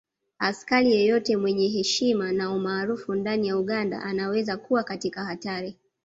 Askari yeyote mwenye heshima na umaarufu ndani ya Uganda anaweza kuwa katika hatari